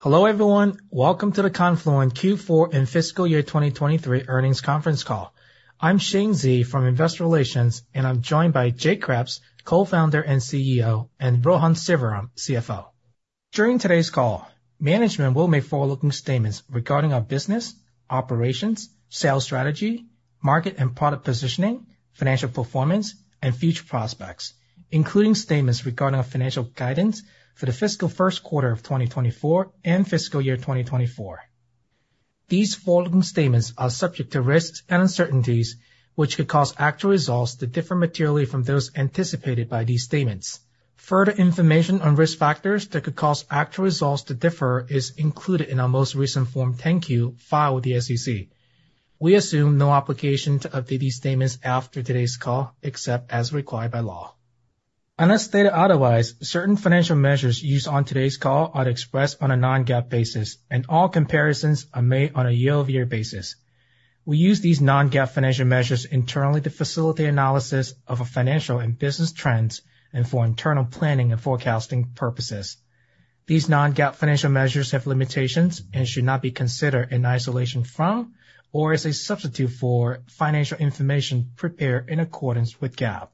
Hello, everyone. Welcome to the Confluent Q4 and fiscal year 2023 earnings conference call. I'm Shane Xie from Investor Relations, and I'm joined by Jay Kreps, Co-Founder and CEO, and Rohan Sivaram, CFO. During today's call, management will make forward-looking statements regarding our business, operations, sales strategy, market and product positioning, financial performance, and future prospects, including statements regarding our financial guidance for the fiscal first quarter of 2024 and fiscal year 2024. These forward-looking statements are subject to risks and uncertainties, which could cause actual results to differ materially from those anticipated by these statements. Further information on risk factors that could cause actual results to differ is included in our most recent Form 10-Q filed with the SEC. We assume no obligation to update these statements after today's call, except as required by law. Unless stated otherwise, certain financial measures used on today's call are expressed on a non-GAAP basis, and all comparisons are made on a year-over-year basis. We use these non-GAAP financial measures internally to facilitate analysis of our financial and business trends and for internal planning and forecasting purposes. These non-GAAP financial measures have limitations and should not be considered in isolation from or as a substitute for financial information prepared in accordance with GAAP.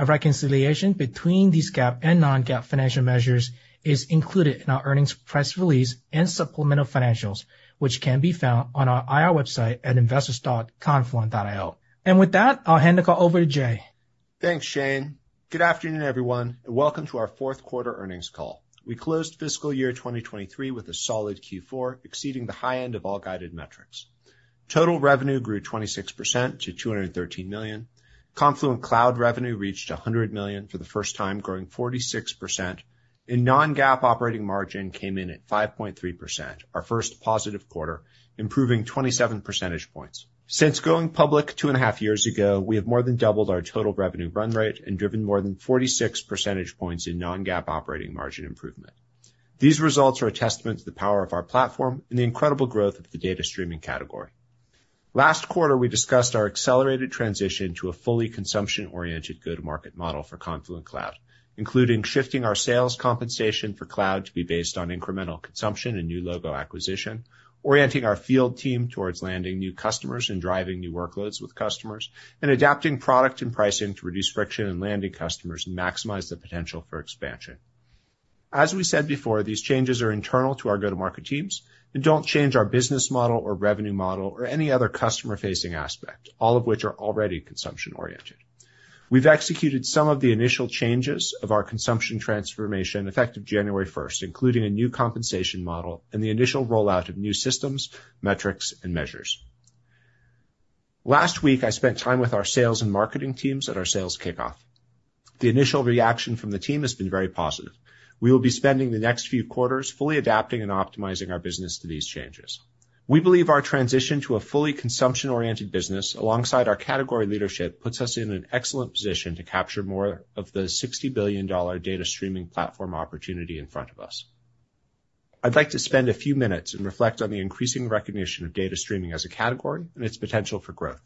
A reconciliation between these GAAP and non-GAAP financial measures is included in our earnings press release and supplemental financials, which can be found on our IR website at investors.confluent.io. With that, I'll hand the call over to Jay. Thanks, Shane. Good afternoon, everyone, and welcome to our fourth quarter earnings call. We closed fiscal year 2023 with a solid Q4, exceeding the high end of all guided metrics. Total revenue grew 26% to $213 million. Confluent Cloud revenue reached $100 million for the first time, growing 46%, and non-GAAP operating margin came in at 5.3%, our first positive quarter, improving 27 percentage points. Since going public 2.5 years ago, we have more than doubled our total revenue run rate and driven more than 46 percentage points in non-GAAP operating margin improvement. These results are a testament to the power of our platform and the incredible growth of the data streaming category. Last quarter, we discussed our accelerated transition to a fully consumption-oriented go-to-market model for Confluent Cloud, including shifting our sales compensation for cloud to be based on incremental consumption and new logo acquisition, orienting our field team towards landing new customers and driving new workloads with customers, and adapting product and pricing to reduce friction in landing customers and maximize the potential for expansion. As we said before, these changes are internal to our go-to-market teams and don't change our business model or revenue model or any other customer-facing aspect, all of which are already consumption-oriented. We've executed some of the initial changes of our consumption transformation, effective January first, including a new compensation model and the initial rollout of new systems, metrics, and measures. Last week, I spent time with our sales and marketing teams at our sales kickoff. The initial reaction from the team has been very positive. We will be spending the next few quarters fully adapting and optimizing our business to these changes. We believe our transition to a fully consumption-oriented business, alongside our category leadership, puts us in an excellent position to capture more of the $60 billion data streaming platform opportunity in front of us. I'd like to spend a few minutes and reflect on the increasing recognition of data streaming as a category and its potential for growth.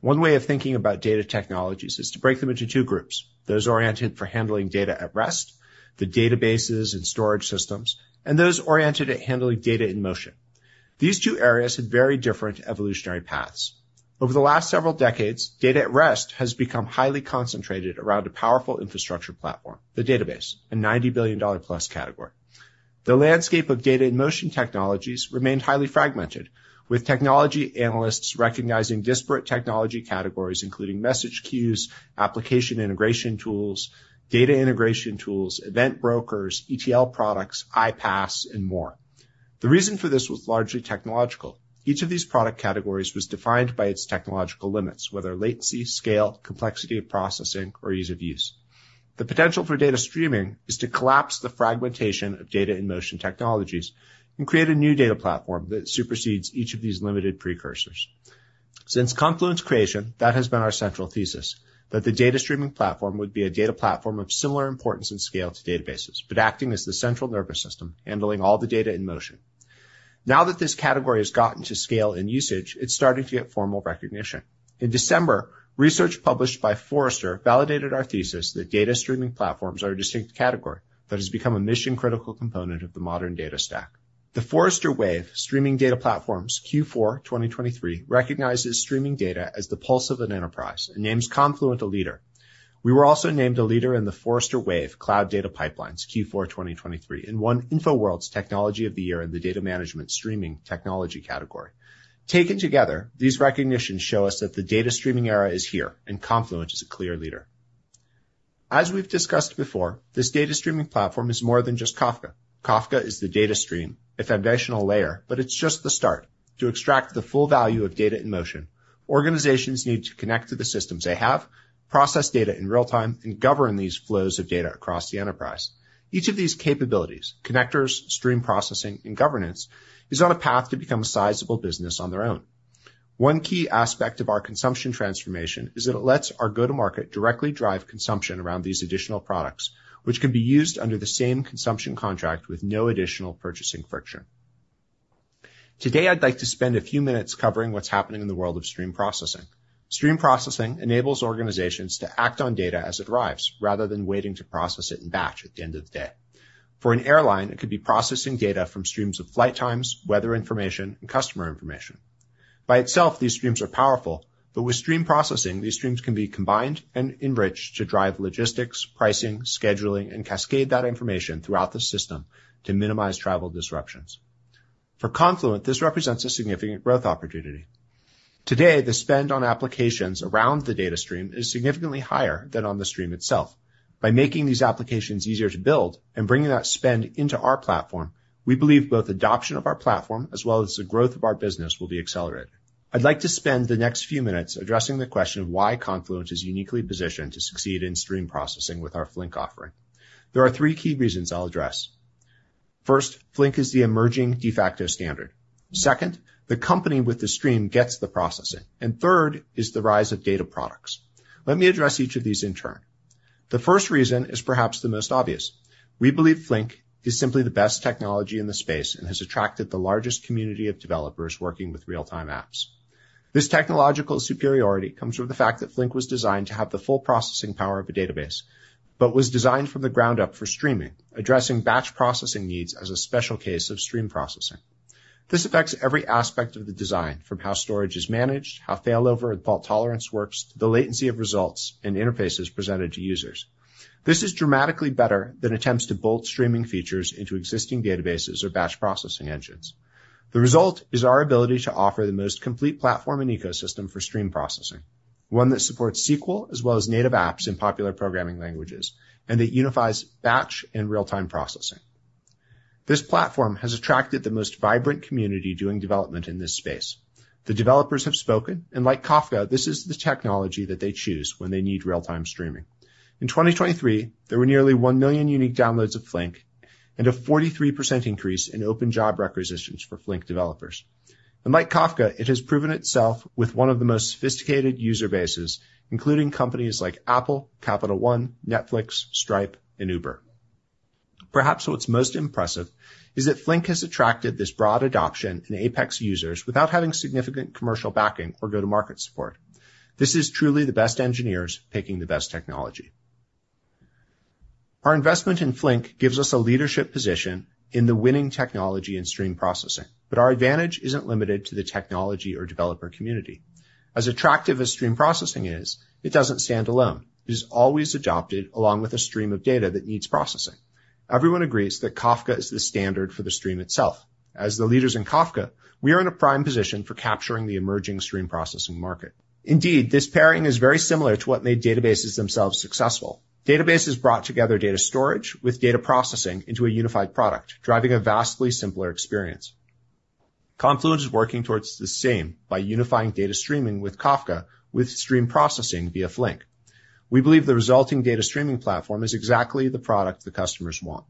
One way of thinking about data technologies is to break them into two groups, those oriented for handling data at rest, the databases and storage systems, and those oriented at handling data in motion. These two areas had very different evolutionary paths. Over the last several decades, data at rest has become highly concentrated around a powerful infrastructure platform, the database, a $90 billion+ category. The landscape of data in motion technologies remained highly fragmented, with technology analysts recognizing disparate technology categories, including message queues, application integration tools, data integration tools, event brokers, ETL products, iPaaS, and more. The reason for this was largely technological. Each of these product categories was defined by its technological limits, whether latency, scale, complexity of processing, or ease of use. The potential for data streaming is to collapse the fragmentation of data in motion technologies and create a new data platform that supersedes each of these limited precursors. Since Confluent's creation, that has been our central thesis, that the data streaming platform would be a data platform of similar importance and scale to databases, but acting as the central nervous system, handling all the data in motion. Now that this category has gotten to scale in usage, it's starting to get formal recognition. In December, research published by Forrester validated our thesis that data streaming platforms are a distinct category that has become a mission-critical component of the modern data stack. The Forrester Wave Streaming Data Platforms Q4 2023 recognizes streaming data as the pulse of an enterprise and names Confluent a leader. We were also named a leader in the Forrester Wave Cloud Data Pipelines Q4 2023, and won InfoWorld's Technology of the Year in the data management streaming technology category. Taken together, these recognitions show us that the data streaming era is here, and Confluent is a clear leader. As we've discussed before, this data streaming platform is more than just Kafka. Kafka is the data stream, a foundational layer, but it's just the start. To extract the full value of data in motion, organizations need to connect to the systems they have, process data in real time, and govern these flows of data across the enterprise. Each of these capabilities, connectors, stream processing, and governance, is on a path to become a sizable business on their own. One key aspect of our consumption transformation is that it lets our go-to-market directly drive consumption around these additional products, which can be used under the same consumption contract with no additional purchasing friction. Today, I'd like to spend a few minutes covering what's happening in the world of stream processing. Stream processing enables organizations to act on data as it arrives, rather than waiting to process it in batch at the end of the day. For an airline, it could be processing data from streams of flight times, weather information, and customer information. By itself, these streams are powerful, but with stream processing, these streams can be combined and enriched to drive logistics, pricing, scheduling, and cascade that information throughout the system to minimize travel disruptions. For Confluent, this represents a significant growth opportunity. Today, the spend on applications around the data stream is significantly higher than on the stream itself. By making these applications easier to build and bringing that spend into our platform, we believe both adoption of our platform as well as the growth of our business will be accelerated. I'd like to spend the next few minutes addressing the question of why Confluent is uniquely positioned to succeed in stream processing with our Flink offering. There are three key reasons I'll address. First, Flink is the emerging de facto standard. Second, the company with the stream gets the processing, and third is the rise of data products. Let me address each of these in turn. The first reason is perhaps the most obvious. We believe Flink is simply the best technology in the space and has attracted the largest community of developers working with real-time apps. This technological superiority comes from the fact that Flink was designed to have the full processing power of a database, but was designed from the ground up for streaming, addressing batch processing needs as a special case of stream processing. This affects every aspect of the design, from how storage is managed, how failover and fault tolerance works, to the latency of results and interfaces presented to users. This is dramatically better than attempts to bolt streaming features into existing databases or batch processing engines. The result is our ability to offer the most complete platform and ecosystem for stream processing, one that supports SQL as well as native apps in popular programming languages, and that unifies batch and real-time processing. This platform has attracted the most vibrant community doing development in this space. The developers have spoken, and like Kafka, this is the technology that they choose when they need real-time streaming. In 2023, there were nearly 1 million unique downloads of Flink and a 43% increase in open job requisitions for Flink developers. And like Kafka, it has proven itself with one of the most sophisticated user bases, including companies like Apple, Capital One, Netflix, Stripe, and Uber. Perhaps what's most impressive is that Flink has attracted this broad adoption in Apache users without having significant commercial backing or go-to-market support. This is truly the best engineers picking the best technology. Our investment in Flink gives us a leadership position in the winning technology and stream processing, but our advantage isn't limited to the technology or developer community. As attractive as stream processing is, it doesn't stand alone. It is always adopted along with a stream of data that needs processing. Everyone agrees that Kafka is the standard for the stream itself. As the leaders in Kafka, we are in a prime position for capturing the emerging stream processing market. Indeed, this pairing is very similar to what made databases themselves successful. Databases brought together data storage with data processing into a unified product, driving a vastly simpler experience. Confluent is working towards the same by unifying data streaming with Kafka, with stream processing via Flink. We believe the resulting data streaming platform is exactly the product the customers want.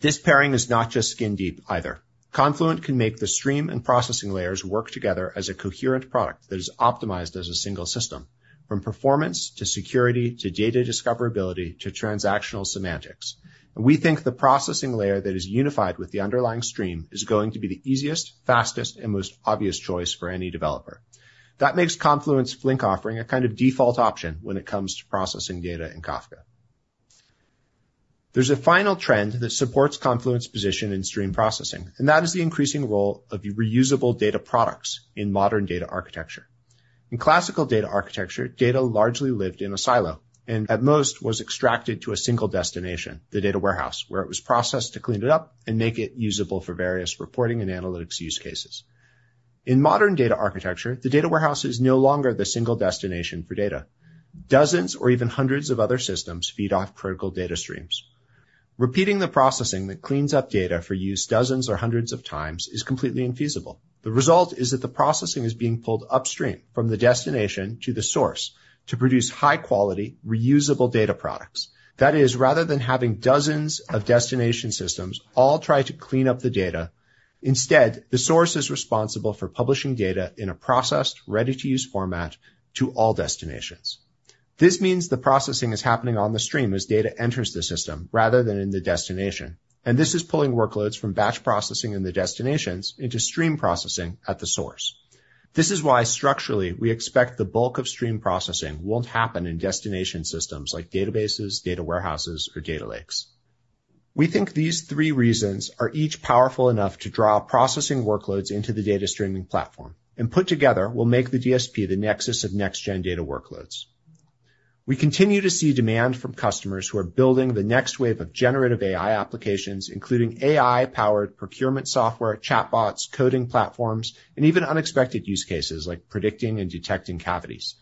This pairing is not just skin deep either. Confluent can make the stream and processing layers work together as a coherent product that is optimized as a single system, from performance to security, to data discoverability, to transactional semantics. We think the processing layer that is unified with the underlying stream is going to be the easiest, fastest, and most obvious choice for any developer. That makes Confluent's Flink offering a kind of default option when it comes to processing data in Kafka. There's a final trend that supports Confluent's position in stream processing, and that is the increasing role of reusable data products in modern data architecture. In classical data architecture, data largely lived in a silo and at most, was extracted to a single destination, the data warehouse, where it was processed to clean it up and make it usable for various reporting and analytics use cases. In modern data architecture, the data warehouse is no longer the single destination for data. Dozens or even hundreds of other systems feed off critical data streams. Repeating the processing that cleans up data for use dozens or hundreds of times is completely infeasible. The result is that the processing is being pulled upstream from the destination to the source to produce high-quality, reusable data products. That is, rather than having dozens of destination systems all try to clean up the data, instead, the source is responsible for publishing data in a processed, ready-to-use format to all destinations. This means the processing is happening on the stream as data enters the system rather than in the destination, and this is pulling workloads from batch processing in the destinations into stream processing at the source. This is why, structurally, we expect the bulk of stream processing won't happen in destination systems like databases, data warehouses, or data lakes. We think these three reasons are each powerful enough to draw processing workloads into the data streaming platform, and put together, will make the DSP the nexus of next-gen data workloads. We continue to see demand from customers who are building the next wave of generative AI applications, including AI-powered procurement software, chatbots, coding platforms, and even unexpected use cases like predicting and detecting cavities.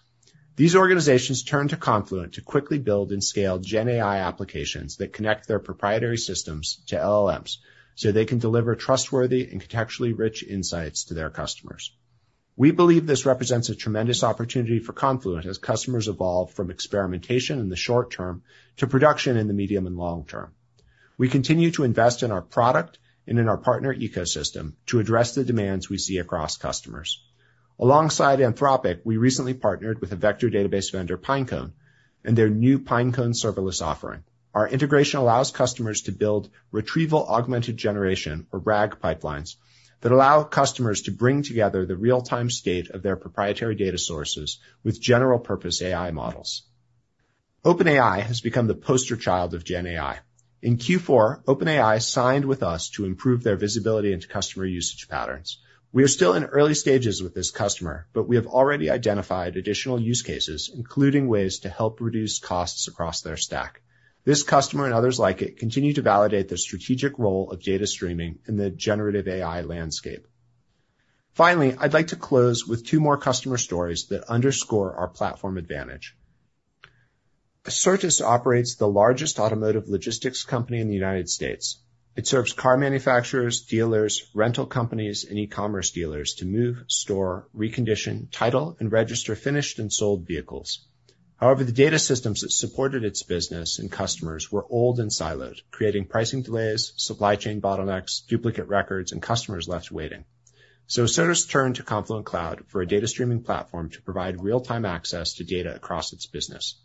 These organizations turn to Confluent to quickly build and scale GenAI applications that connect their proprietary systems to LLMs, so they can deliver trustworthy and contextually rich insights to their customers. We believe this represents a tremendous opportunity for Confluent as customers evolve from experimentation in the short term to production in the medium and long term. We continue to invest in our product and in our partner ecosystem to address the demands we see across customers. Alongside Anthropic, we recently partnered with a vector database vendor, Pinecone, and their new Pinecone Serverless offering. Our integration allows customers to build retrieval-augmented generation, or RAG pipelines that allow customers to bring together the real-time state of their proprietary data sources with general purpose AI models. OpenAI has become the poster child of GenAI. In Q4, OpenAI signed with us to improve their visibility into customer usage patterns. We are still in early stages with this customer, but we have already identified additional use cases, including ways to help reduce costs across their stack. This customer and others like it continue to validate the strategic role of data streaming in the generative AI landscape. Finally, I'd like to close with two more customer stories that underscore our platform advantage. Acertus operates the largest automotive logistics company in the United States. It serves car manufacturers, dealers, rental companies, and e-commerce dealers to move, store, recondition, title, and register finished and sold vehicles. However, the data systems that supported its business and customers were old and siloed, creating pricing delays, supply chain bottlenecks, duplicate records, and customers left waiting. Acertus turned to Confluent Cloud for a data streaming platform to provide real-time access to data across its business.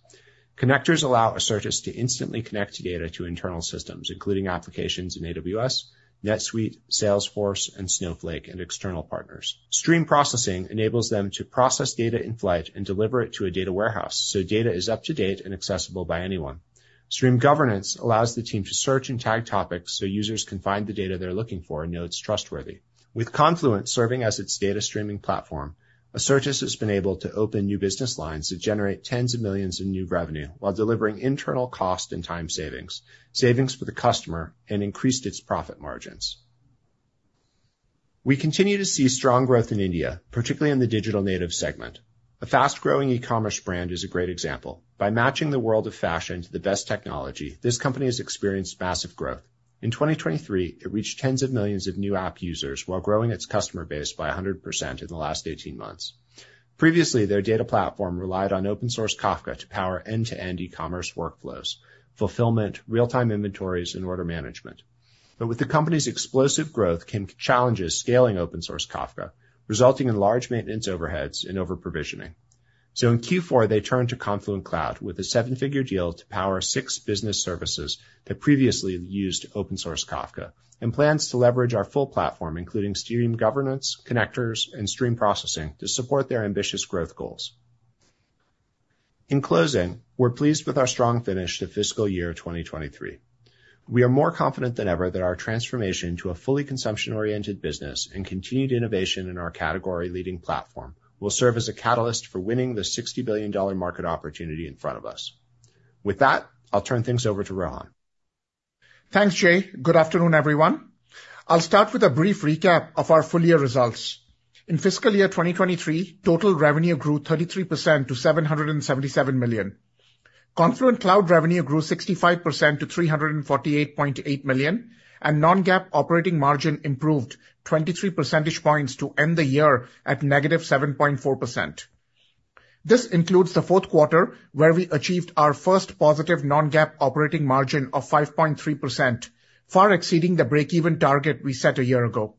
Connectors allow Acertus to instantly connect to data to internal systems, including applications in AWS, NetSuite, Salesforce, and Snowflake, and external partners. Stream processing enables them to process data in flight and deliver it to a data warehouse, so data is up-to-date and accessible by anyone. Stream governance allows the team to search and tag topics so users can find the data they're looking for and know it's trustworthy. With Confluent serving as its data streaming platform, Acertus has been able to open new business lines that generate tens of millions in new revenue, while delivering internal cost and time savings, savings for the customer, and increased its profit margins. We continue to see strong growth in India, particularly in the digital native segment. A fast-growing e-commerce brand is a great example. By matching the world of fashion to the best technology, this company has experienced massive growth. In 2023, it reached tens of millions of new app users while growing its customer base by 100% in the last 18 months. Previously, their data platform relied on open source Kafka to power end-to-end e-commerce workflows, fulfillment, real-time inventories, and order management. But with the company's explosive growth came challenges scaling open source Kafka, resulting in large maintenance overheads and overprovisioning. So in Q4, they turned to Confluent Cloud with a seven-figure deal to power six business services that previously used open source Kafka, and plans to leverage our full platform, including stream governance, connectors, and stream processing, to support their ambitious growth goals. In closing, we're pleased with our strong finish to fiscal year 2023. We are more confident than ever that our transformation to a fully consumption-oriented business and continued innovation in our category-leading platform, will serve as a catalyst for winning the $60 billion market opportunity in front of us. With that, I'll turn things over to Rohan. Thanks, Jay. Good afternoon, everyone. I'll start with a brief recap of our full year results. In fiscal year 2023, total revenue grew 33% to $777 million. Confluent Cloud revenue grew 65% to $348.8 million, and non-GAAP operating margin improved 23 percentage points to end the year at -7.4%. This includes the fourth quarter, where we achieved our first positive non-GAAP operating margin of 5.3%, far exceeding the break-even target we set a year ago.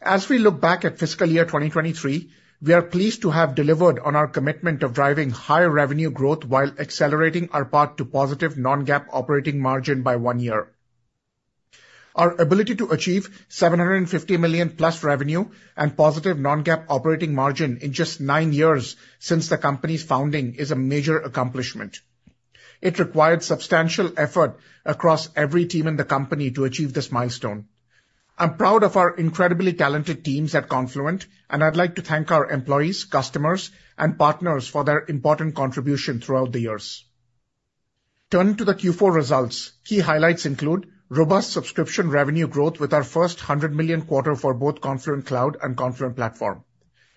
As we look back at fiscal year 2023, we are pleased to have delivered on our commitment of driving higher revenue growth while accelerating our path to positive non-GAAP operating margin by 1 year. Our ability to achieve $750 million+ revenue and positive non-GAAP operating margin in just 9 years since the company's founding is a major accomplishment. It required substantial effort across every team in the company to achieve this milestone. I'm proud of our incredibly talented teams at Confluent, and I'd like to thank our employees, customers, and partners for their important contribution throughout the years. Turning to the Q4 results, key highlights include: robust subscription revenue growth with our first $100 million quarter for both Confluent Cloud and Confluent Platform.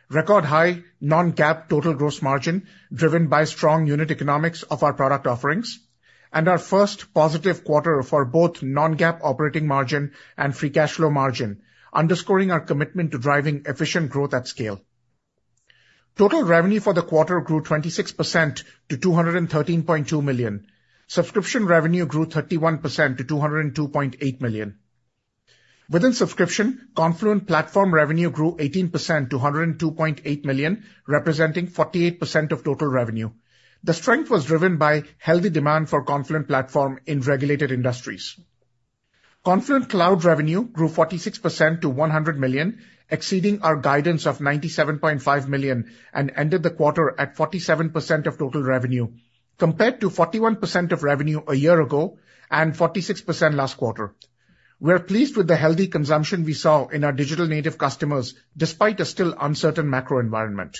Record high non-GAAP total gross margin, driven by strong unit economics of our product offerings. And our first positive quarter for both non-GAAP operating margin and free cash flow margin, underscoring our commitment to driving efficient growth at scale. Total revenue for the quarter grew 26% to $213.2 million. Subscription revenue grew 31% to $202.8 million. Within subscription, Confluent Platform revenue grew 18% to $102.8 million, representing 48% of total revenue. The strength was driven by healthy demand for Confluent Platform in regulated industries. Confluent Cloud revenue grew 46% to $100 million, exceeding our guidance of $97.5 million, and ended the quarter at 47% of total revenue, compared to 41% of revenue a year ago and 46% last quarter. We are pleased with the healthy consumption we saw in our digital native customers, despite a still uncertain macro environment.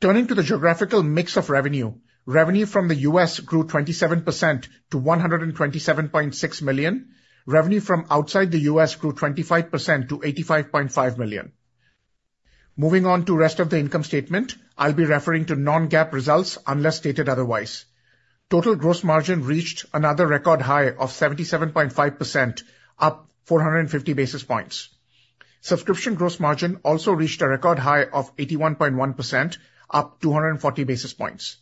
Turning to the geographical mix of revenue, revenue from the U.S. grew 27% to $127.6 million. Revenue from outside the U.S. grew 25% to $85.5 million. Moving on to rest of the income statement, I'll be referring to non-GAAP results unless stated otherwise. Total gross margin reached another record high of 77.5%, up 450 basis points. Subscription gross margin also reached a record high of 81.1%, up 240 basis points.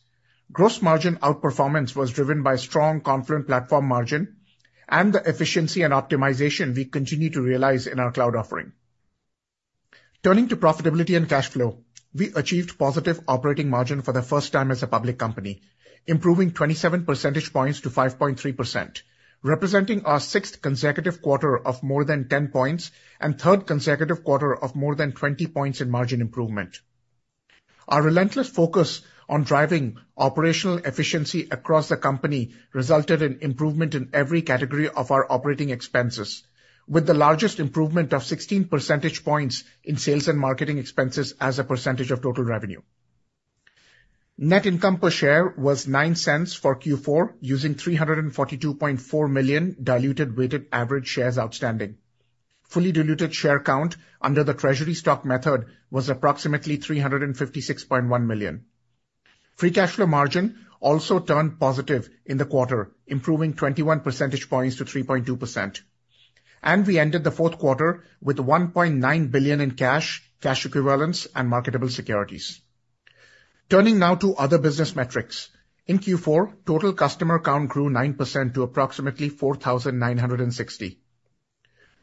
Gross margin outperformance was driven by strong Confluent platform margin and the efficiency and optimization we continue to realize in our cloud offering. Turning to profitability and cash flow, we achieved positive operating margin for the first time as a public company, improving 27 percentage points to 5.3%, representing our sixth consecutive quarter of more than 10 points and third consecutive quarter of more than 20 points in margin improvement. Our relentless focus on driving operational efficiency across the company resulted in improvement in every category of our operating expenses, with the largest improvement of 16 percentage points in sales and marketing expenses as a percentage of total revenue. Net income per share was $0.09 for Q4, using 342.4 million diluted weighted average shares outstanding. Fully diluted share count under the treasury stock method was approximately 356.1 million. Free cash flow margin also turned positive in the quarter, improving 21 percentage points to 3.2%, and we ended the fourth quarter with $1.9 billion in cash, cash equivalents, and marketable securities. Turning now to other business metrics. In Q4, total customer count grew 9% to approximately 4,960.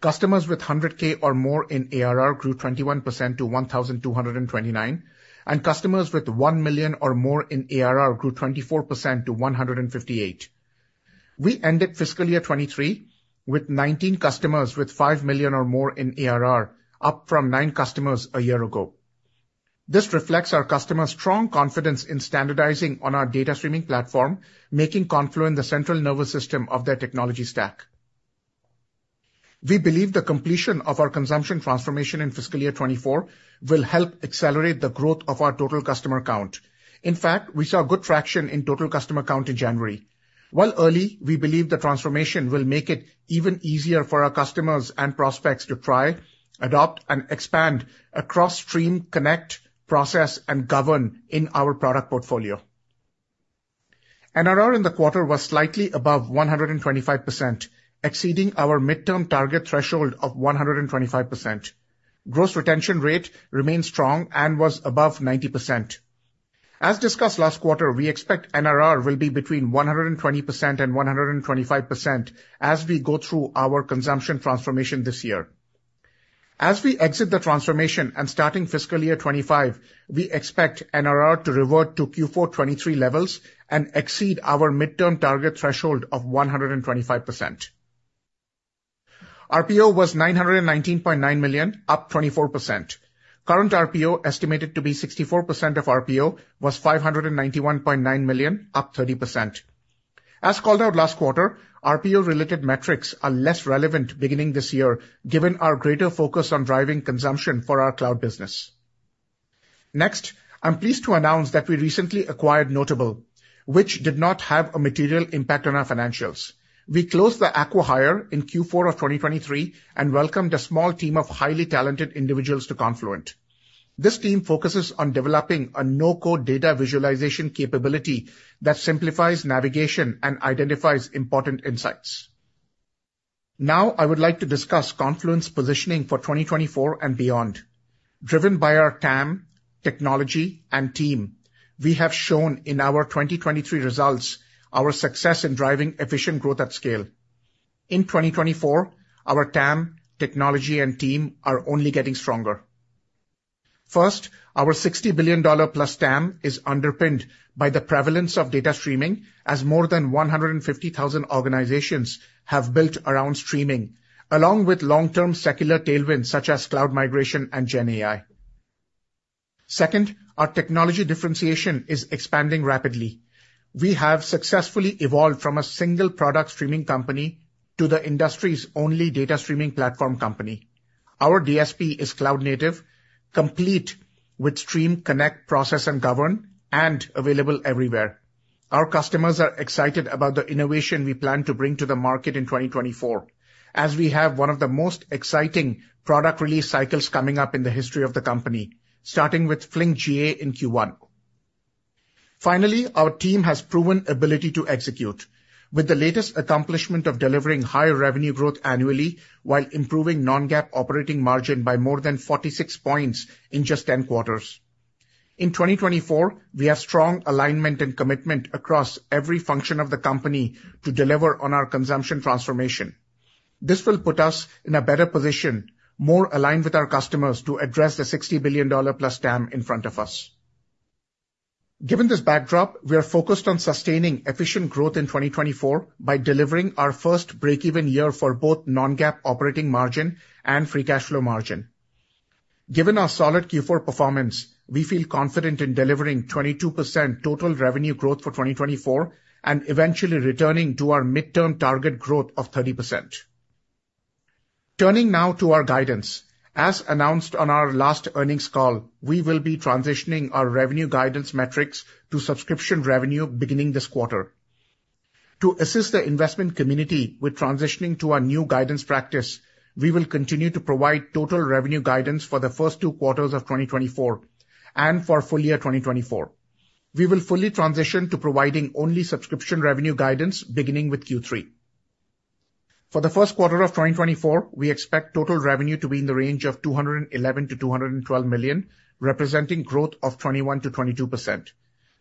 Customers with 100K or more in ARR grew 21% to 1,229, and customers with 1 million or more in ARR grew 24% to 158. We ended fiscal year 2023 with 19 customers with 5 million or more in ARR, up from nine customers a year ago. This reflects our customers' strong confidence in standardizing on our data streaming platform, making Confluent the central nervous system of their technology stack. We believe the completion of our consumption transformation in fiscal year 2024 will help accelerate the growth of our total customer count. In fact, we saw good traction in total customer count in January. While early, we believe the transformation will make it even easier for our customers and prospects to try, adopt, and expand across stream, connect, process, and govern in our product portfolio. NRR in the quarter was slightly above 125%, exceeding our midterm target threshold of 125%. Gross retention rate remained strong and was above 90%. As discussed last quarter, we expect NRR will be between 120% and 125% as we go through our consumption transformation this year. As we exit the transformation and starting fiscal year 2025, we expect NRR to revert to Q4 2023 levels and exceed our midterm target threshold of 125%. RPO was $919.9 million, up 24%. Current RPO, estimated to be 64% of RPO, was $591.9 million, up 30%. As called out last quarter, RPO-related metrics are less relevant beginning this year, given our greater focus on driving consumption for our cloud business. Next, I'm pleased to announce that we recently acquired Noteable, which did not have a material impact on our financials. We closed the acquihire in Q4 of 2023 and welcomed a small team of highly talented individuals to Confluent. This team focuses on developing a no-code data visualization capability that simplifies navigation and identifies important insights. Now, I would like to discuss Confluent's positioning for 2024 and beyond. Driven by our TAM, technology, and team, we have shown in our 2023 results our success in driving efficient growth at scale. In 2024, our TAM, technology, and team are only getting stronger. First, our $60 billion+ TAM is underpinned by the prevalence of data streaming, as more than 150,000 organizations have built around streaming, along with long-term secular tailwinds, such as cloud migration and GenAI. Second, our technology differentiation is expanding rapidly. We have successfully evolved from a single-product streaming company to the industry's only data streaming platform company. Our DSP is cloud native, complete with stream, connect, process, and govern, and available everywhere. Our customers are excited about the innovation we plan to bring to the market in 2024, as we have one of the most exciting product release cycles coming up in the history of the company, starting with Flink GA in Q1. Finally, our team has proven ability to execute, with the latest accomplishment of delivering higher revenue growth annually while improving non-GAAP operating margin by more than 46 points in just 10 quarters. In 2024, we have strong alignment and commitment across every function of the company to deliver on our consumption transformation. This will put us in a better position, more aligned with our customers, to address the $60 billion+ TAM in front of us. Given this backdrop, we are focused on sustaining efficient growth in 2024 by delivering our first break-even year for both non-GAAP operating margin and free cash flow margin. Given our solid Q4 performance, we feel confident in delivering 22% total revenue growth for 2024 and eventually returning to our midterm target growth of 30%. Turning now to our guidance. As announced on our last earnings call, we will be transitioning our revenue guidance metrics to subscription revenue beginning this quarter. To assist the investment community with transitioning to our new guidance practice, we will continue to provide total revenue guidance for the first two quarters of 2024 and for full year 2024. We will fully transition to providing only subscription revenue guidance beginning with Q3. For the first quarter of 2024, we expect total revenue to be in the range of $211 million-$212 million, representing growth of 21%-22%.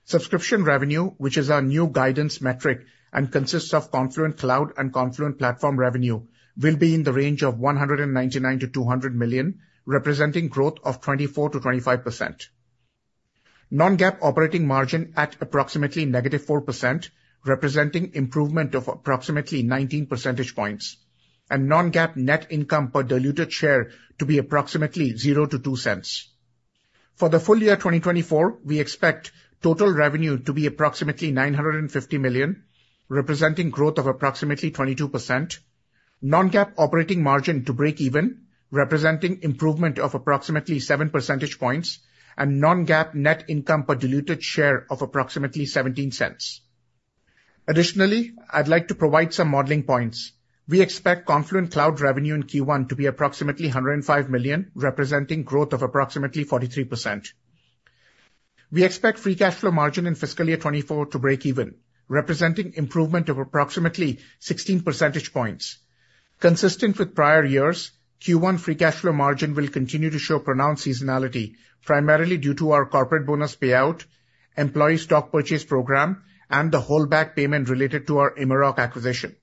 Subscription revenue, which is our new guidance metric and consists of Confluent Cloud and Confluent Platform revenue, will be in the range of $199 million-$200 million, representing growth of 24%-25%. Non-GAAP operating margin at approximately -4%, representing improvement of approximately 19 percentage points, and non-GAAP net income per diluted share to be approximately $0.00-$0.02. For the full year 2024, we expect total revenue to be approximately $950 million, representing growth of approximately 22%. Non-GAAP operating margin to break even, representing improvement of approximately 7 percentage points, and non-GAAP net income per diluted share of approximately $0.17. Additionally, I'd like to provide some modeling points. We expect Confluent Cloud revenue in Q1 to be approximately $105 million, representing growth of approximately 43%. We expect free cash flow margin in fiscal year 2024 to break even, representing improvement of approximately 16 percentage points. Consistent with prior years, Q1 free cash flow margin will continue to show pronounced seasonality, primarily due to our corporate bonus payout, employee stock purchase program, and the holdback payment related to our Immerok acquisition.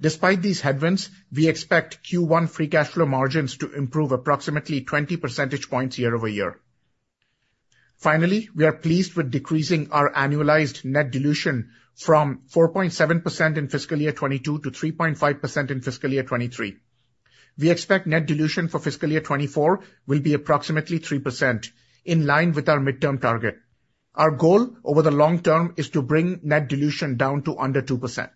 Despite these headwinds, we expect Q1 free cash flow margins to improve approximately 20 percentage points year-over-year. Finally, we are pleased with decreasing our annualized net dilution from 4.7% in fiscal year 2022 to 3.5% in fiscal year 2023. We expect net dilution for fiscal year 2024 will be approximately 3%, in line with our midterm target. Our goal over the long term is to bring net dilution down to under 2%.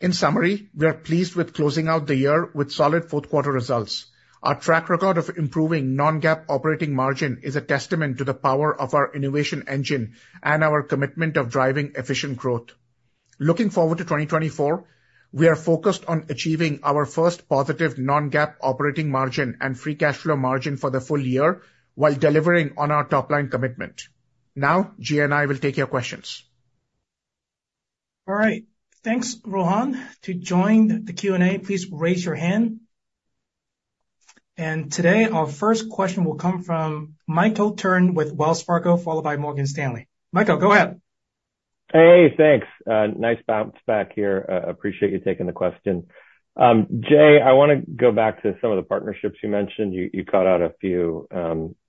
In summary, we are pleased with closing out the year with solid fourth quarter results. Our track record of improving non-GAAP operating margin is a testament to the power of our innovation engine and our commitment of driving efficient growth. Looking forward to 2024, we are focused on achieving our first positive non-GAAP operating margin and free cash flow margin for the full year, while delivering on our top line commitment. Now, Jay and I will take your questions. All right, thanks, Rohan. To join the Q&A, please raise your hand. Today, our first question will come from Michael Turrin with Wells Fargo, followed by Morgan Stanley. Michael, go ahead. Hey, thanks. Nice bounce back here. Appreciate you taking the question. Jay, I want to go back to some of the partnerships you mentioned. You, you called out a few,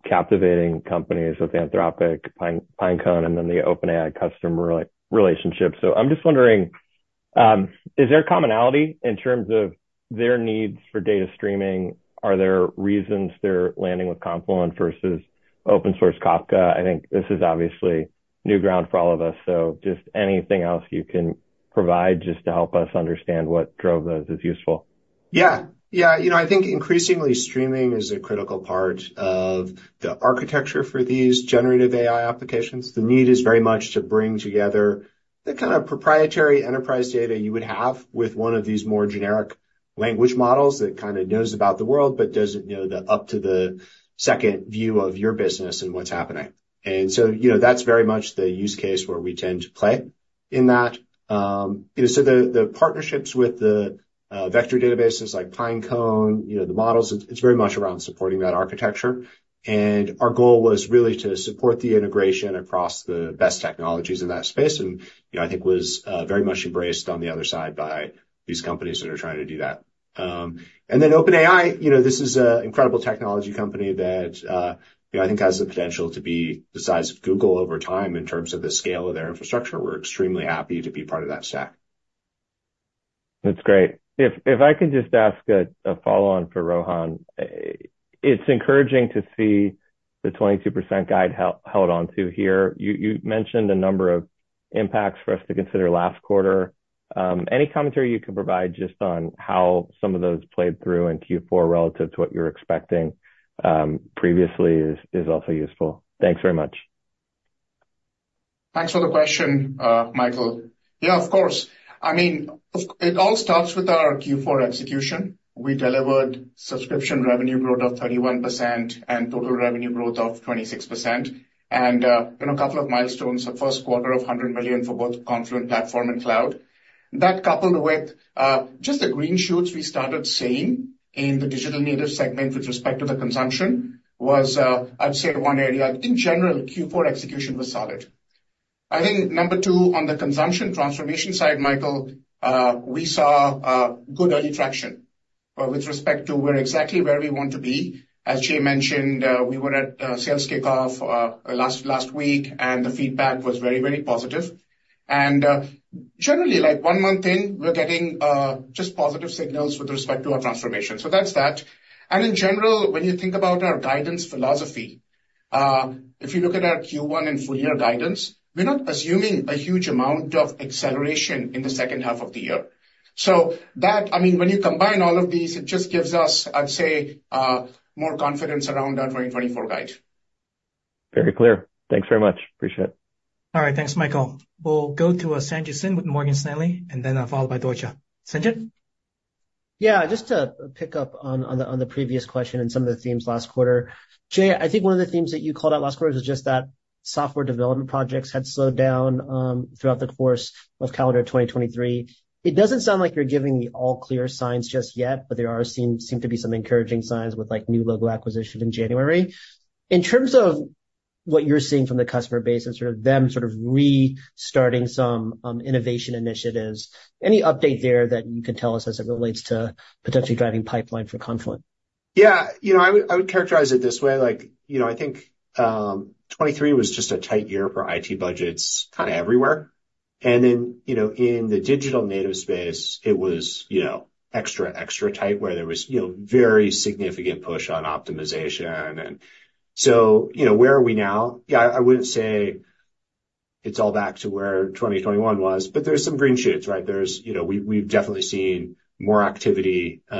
captivating companies with Anthropic, Pinecone, and then the OpenAI customer relationship. So I'm just wondering, is there a commonality in terms of their needs for data streaming? Are there reasons they're landing with Confluent versus open source Kafka? I think this is obviously new ground for all of us, so just anything else you can provide just to help us understand what drove those is useful. Yeah. Yeah, you know, I think increasingly streaming is a critical part of the architecture for these generative AI applications. The need is very much to bring together the kind of proprietary enterprise data you would have with one of these more generic language models that kind of knows about the world, but doesn't know the up to the second view of your business and what's happening. And so, you know, that's very much the use case where we tend to play in that. So the partnerships with the vector databases like Pinecone, you know, the models, it's very much around supporting that architecture. And our goal was really to support the integration across the best technologies in that space, and, you know, I think was very much embraced on the other side by these companies that are trying to do that. And then OpenAI, you know, this is an incredible technology company that, you know, I think has the potential to be the size of Google over time in terms of the scale of their infrastructure. We're extremely happy to be part of that stack. That's great. If I could just ask a follow-on for Rohan. It's encouraging to see the 22% guide he held on to here. You mentioned a number of impacts for us to consider last quarter. Any commentary you could provide just on how some of those played through in Q4 relative to what you're expecting previously is also useful. Thanks very much. Thanks for the question, Michael. Yeah, of course. I mean, of. It all starts with our Q4 execution. We delivered subscription revenue growth of 31% and total revenue growth of 26%. You know, a couple of milestones, the first quarter of 100 million for both Confluent Platform and Cloud. That, coupled with, just the green shoots we started seeing in the digital native segment with respect to the consumption, was, I'd say, one area. I think general Q4 execution was solid. I think number two, on the consumption transformation side, Michael, we saw good early traction with respect to we're exactly where we want to be. As Jay mentioned, we were at a sales kickoff last week, and the feedback was very, very positive. Generally, like, one month in, we're getting just positive signals with respect to our transformation. That's that. In general, when you think about our guidance philosophy, if you look at our Q1 and full year guidance, we're not assuming a huge amount of acceleration in the second half of the year. So that, I mean, when you combine all of these, it just gives us, I'd say, more confidence around our 2024 guide. Very clear. Thanks very much. Appreciate it. All right, thanks, Michael. We'll go to Sanjit Singh with Morgan Stanley, and then, followed by Deutsche. Sanjit? Yeah, just to pick up on the previous question and some of the themes last quarter. Jay, I think one of the themes that you called out last quarter is just that software development projects had slowed down throughout the course of calendar 2023. It doesn't sound like you're giving the all-clear signs just yet, but there seem to be some encouraging signs with, like, new logo acquisition in January. In terms of what you're seeing from the customer base and sort of them restarting some innovation initiatives, any update there that you can tell us as it relates to potentially driving pipeline for Confluent? Yeah, you know, I would, I would characterize it this way. Like, you know, I think, 2023 was just a tight year for IT budgets kind of everywhere. And then, you know, in the digital native space, it was, you know, extra, extra tight, where there was, you know, very significant push on optimization. And so, you know, where are we now? Yeah, I wouldn't say it's all back to where 2021 was, but there's some green shoots, right? There's, you know, we, we've definitely seen more activity, you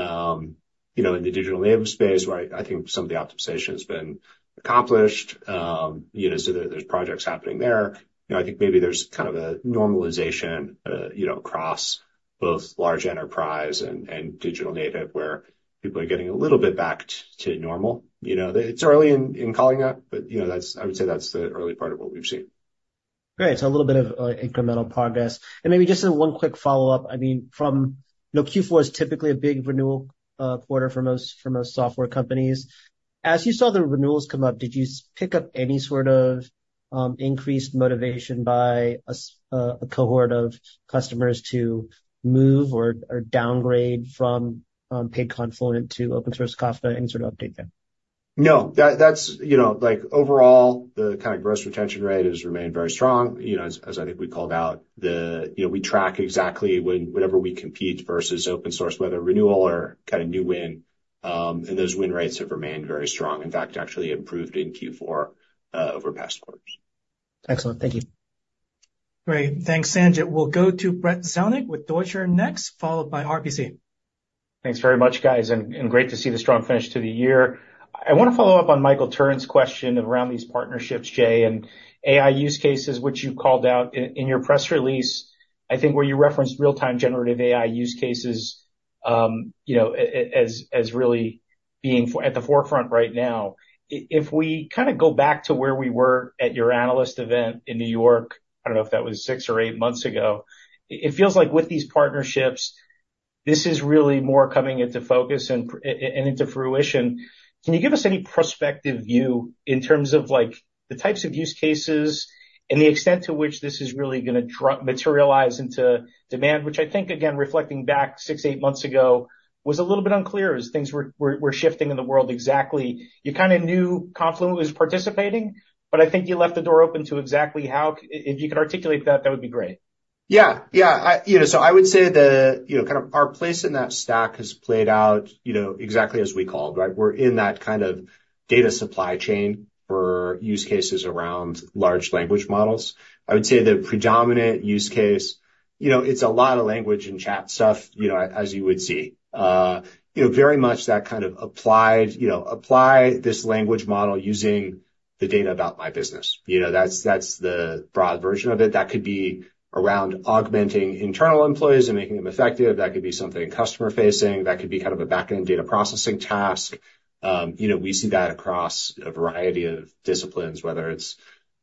know, in the digital native space, where I, I think some of the optimization has been accomplished. You know, so there, there's projects happening there. You know, I think maybe there's kind of a normalization, you know, across both large enterprise and, and digital native, where people are getting a little bit back to normal. You know, it's early in calling that, but, you know, that's. I would say that's the early part of what we've seen. Great. So a little bit of incremental progress. And maybe just one quick follow-up. I mean, from, you know, Q4 is typically a big renewal quarter for most, for most software companies. As you saw the renewals come up, did you pick up any sort of increased motivation by a cohort of customers to move or, or downgrade from paid Confluent to open source Kafka? Any sort of update there? No, that's, you know, like, overall, the kind of gross retention rate has remained very strong. You know, as I think we called out, the, you know, we track exactly whenever we compete versus open source, whether renewal or kind of new win, and those win rates have remained very strong, in fact, actually improved in Q4, over past quarters. Excellent. Thank you. Great. Thanks, Sanjit. We'll go to Brad Zelnick with Deutsche Bank next, followed by RBC. Thanks very much, guys, and great to see the strong finish to the year. I want to follow up on Michael Turrin's question around these partnerships, Jay, and AI use cases, which you called out in your press release, I think, where you referenced real-time generative AI use cases, you know, as really being at the forefront right now. If we kind of go back to where we were at your analyst event in New York, I don't know if that was six or eight months ago, it feels like with these partnerships, this is really more coming into focus and into fruition. Can you give us any prospective view in terms of, like, the types of use cases and the extent to which this is really gonna materialize into demand? Which I think, again, reflecting back 6-8 months ago, was a little bit unclear as things were shifting in the world. Exactly, you kind of knew Confluent was participating, but I think you left the door open to exactly how. if you could articulate that, that would be great. Yeah. Yeah, I, you know, so I would say the, you know, kind of our place in that stack has played out, you know, exactly as we called, right? We're in that kind of data supply chain for use cases around large language models. I would say the predominant use case, you know, it's a lot of language and chat stuff, you know, as you would see. You know, very much that kind of applied, you know, apply this language model using the data about my business. You know, that's, that's the broad version of it. That could be around augmenting internal employees and making them effective. That could be something customer-facing, that could be kind of a back-end data processing task. You know, we see that across a variety of disciplines, whether it's,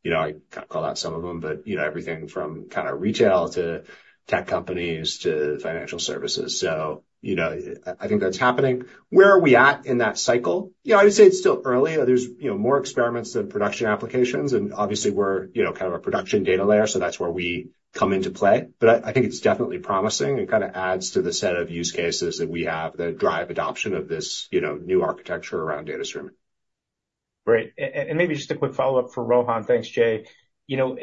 you know, I can't call out some of them, but, you know, everything from kind of retail to tech companies to financial services. So, you know, I think that's happening. Where are we at in that cycle? You know, I would say it's still early. There's, you know, more experiments than production applications, and obviously we're, you know, kind of a production data layer, so that's where we come into play. But I think it's definitely promising and kind of adds to the set of use cases that we have that drive adoption of this, you know, new architecture around data streaming. Great. And maybe just a quick follow-up for Rohan. Thanks, Jay. You know,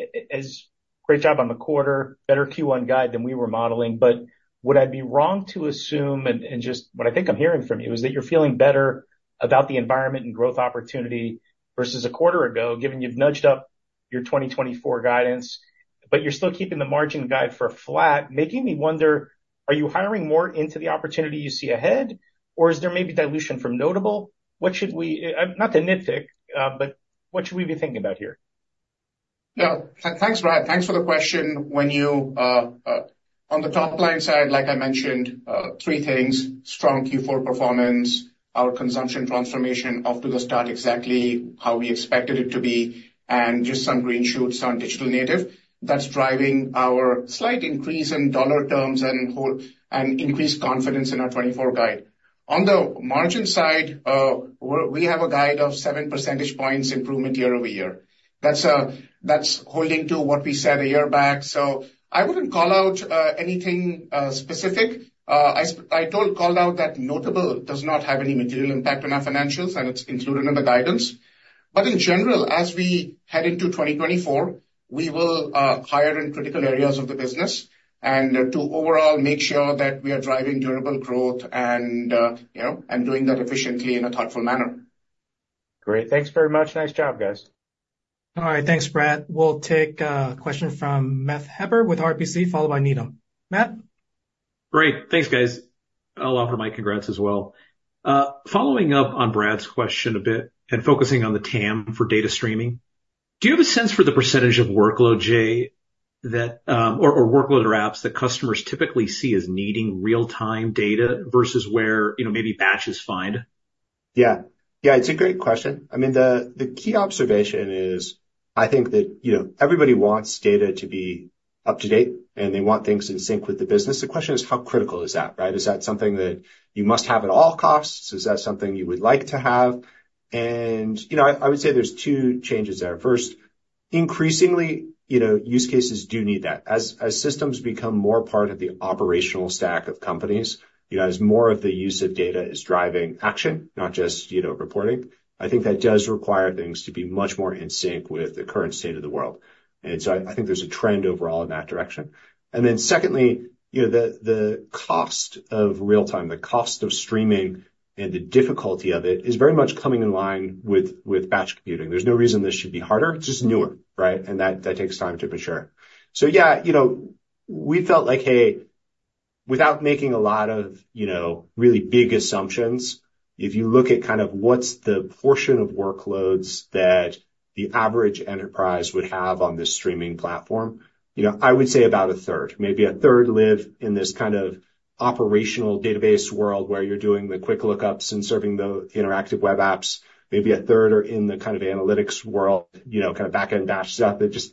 great job on the quarter, better Q1 guide than we were modeling, but would I be wrong to assume, and just what I think I'm hearing from you, is that you're feeling better about the environment and growth opportunity versus a quarter ago, given you've nudged up your 2024 guidance, but you're still keeping the margin guide for flat, making me wonder, are you hiring more into the opportunity you see ahead, or is there maybe dilution from Noteable? What should we... not to nitpick, but what should we be thinking about here? Yeah. Thanks, Brad. Thanks for the question. When you, on the top-line side, like I mentioned, three things, strong Q4 performance, our consumption transformation off to the start exactly how we expected it to be, and just some green shoots on digital native. That's driving our slight increase in dollar terms and whole- and increased confidence in our 2024 guide. On the margin side, we have a guide of 7 percentage points improvement year-over-year. That's, that's holding to what we said a year back, so I wouldn't call out anything specific. I called out that Noteable does not have any material impact on our financials, and it's included in the guidance. In general, as we head into 2024, we will hire in critical areas of the business and to overall make sure that we are driving durable growth and, you know, and doing that efficiently in a thoughtful manner. Great. Thanks very much. Nice job, guys. All right. Thanks, Brad. We'll take a question from Matt Hedberg with RBC, followed by Needham. Matt? Great. Thanks, guys. I'll offer my congrats as well. Following up on Brad's question a bit and focusing on the TAM for data streaming. Do you have a sense for the percentage of workload, Jay, that or workload or apps that customers typically see as needing real-time data versus where, you know, maybe batch is fine? Yeah. Yeah, it's a great question. I mean, the, the key observation is, I think that, you know, everybody wants data to be up-to-date, and they want things in sync with the business. The question is, how critical is that, right? Is that something that you must have at all costs? Is that something you would like to have? And, you know, I, I would say there's two changes there. First, increasingly, you know, use cases do need that. As, as systems become more part of the operational stack of companies, you know, as more of the use of data is driving action, not just, you know, reporting, I think that does require things to be much more in sync with the current state of the world. And so I, I think there's a trend overall in that direction. Then secondly, you know, the cost of real time, the cost of streaming and the difficulty of it, is very much coming in line with batch computing. There's no reason this should be harder. It's just newer, right? And that takes time to mature. So yeah, you know, we felt like, hey, without making a lot of, you know, really big assumptions, if you look at kind of what's the portion of workloads that the average enterprise would have on this streaming platform, you know, I would say about a third. Maybe a third live in this kind of operational database world, where you're doing the quick lookups and serving the interactive web apps. Maybe a third are in the kind of analytics world, you know, kind of back-end batch stuff, that just